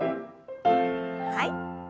はい。